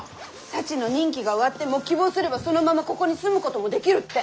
サチの任期が終わっても希望すればそのままここに住むこともできるって。